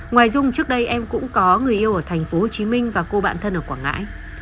ngoài dung trước đây em cũng có người yêu ở tp hcm và cô bạn thân ở quảng ngãi